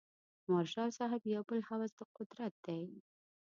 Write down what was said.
د مارشال صاحب یو بل هوس د قدرت دی.